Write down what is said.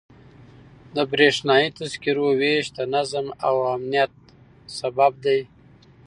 د بریښنایي تذکرو ویش د نظم او امنیت سبب دی.